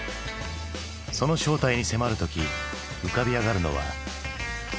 その正体に迫る時浮かび上がるのは時代の痕跡か？